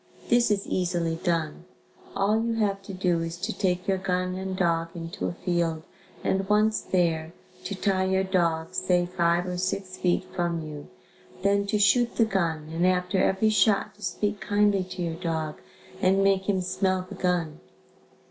This is easily done. All you have to do is to take your gun and dog into a field and once there to tie your dog say five or six feet from you, then to shoot the gun and after every shot to speak kindly to your dog and make him smell the gun.